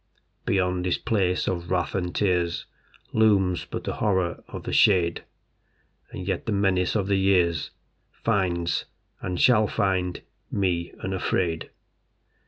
Beyond this place of wrath and tears Looms but the Horror of the shade, And yet the menace of the years Finds, and shall find, me unafraid.